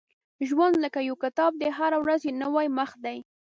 • ژوند لکه یو کتاب دی، هره ورځ یې یو نوی مخ دی.